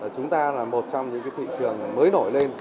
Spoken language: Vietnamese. chúng ta là một trong những thị trường mới nổi lên